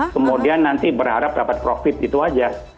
kemudian nanti berharap dapat profit itu saja